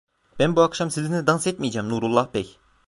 Ben Bu akşam sizinle dans etmeyeceğim Nurullah bey.